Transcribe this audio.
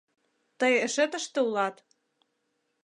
Тый эше тыште улат?